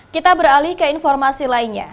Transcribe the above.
kita beralih ke informasi lainnya